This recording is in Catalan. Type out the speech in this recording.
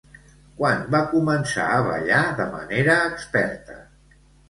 Quan va començar a ballar de manera experta?